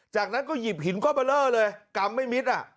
จากนั้นก็หยิบหินก็เบลอเลยกำไม่มิดอ่ะ